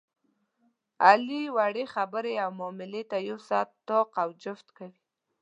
علي وړې خبرې او معاملې ته یو ساعت طاق او جفت کوي.